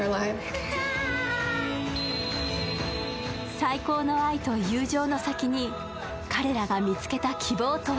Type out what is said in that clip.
最高の愛と友情の先に彼らが見つけた希望とは？